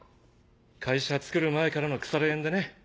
会社つくる前からの腐れ縁でね。